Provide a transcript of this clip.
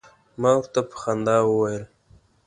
ما ورته په خندا وویل.